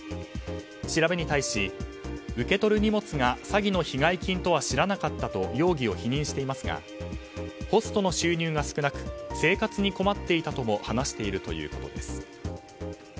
調べに対し、受け取る荷物が詐欺の被害金とは知らなかったと容疑を否認していますがホストの収入が少なく生活に困っていたとも話しているということです。